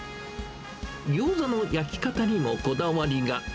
ギョーザの焼き方にもこだわりが。